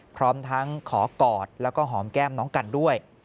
พร้อมทั้งขอกอดแล้วก็หอมแก้มน้องกันด้วย